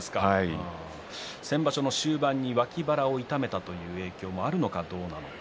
先場所の終盤に脇腹を痛めたという影響もあるのか、どうなのか。